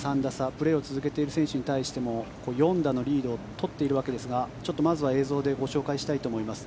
プレーを続けている選手に対しても４打のリードを取っているわけですがちょっとまずは映像でご紹介したいと思います。